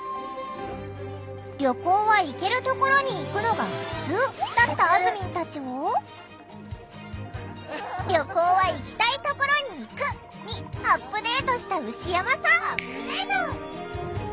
「旅行は行けるところに行くのがふつう」だったあずみんたちを「旅行は行きたいところに行く」にアップデートした牛山さん。